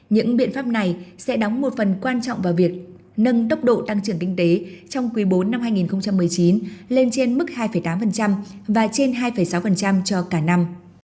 những biện pháp này sẽ đóng một phần quan trọng vào việc nâng tốc độ tăng trưởng kinh tế trong quý bốn năm hai nghìn một mươi chín lên trên mức hai tám và trên hai sáu cho cả năm